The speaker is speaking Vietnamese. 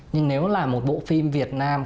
nhưng nếu là một bộ phim việt nam